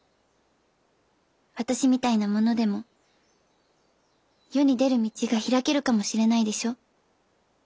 私みたいな者でも世に出る道が開けるかもしれないでしょ。